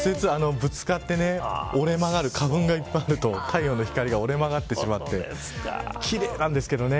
ぶつかって、屈折折れ曲がる花粉がいっぱいあると太陽の光が折り曲がってしまって奇麗なんですけどね